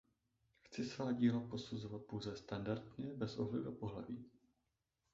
Chci svá díla posuzovat pouze standardně bez ohledu na pohlaví.